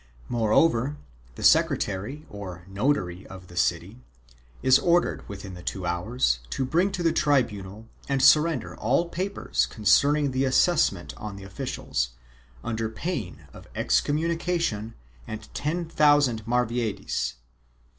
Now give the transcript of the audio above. Moreover the secretary or notary of the city is ordered within the two hours to bring to the tribunal and sur render all papers concerning the assessment on the officials, under pain of excommunication and ten thousand maravedis.